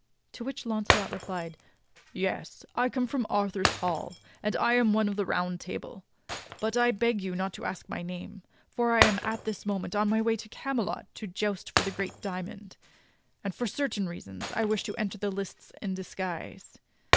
To which Launcelot replied: "Yes, I come from Arthur's Hall, and am one of the Round Table; but I beg you not to ask my name, for I am at this moment on my way to Camelot to joust for the great diamond; and for certain reasons I wish to enter the lists in disguise.